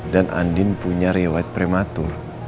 dan andin punya riwayat prematur